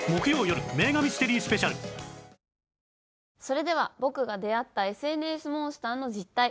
それでは「僕が出会ったＳＮＳモンスターの実態」。